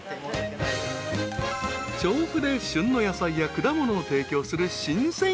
［調布で旬の野菜や果物を提供する］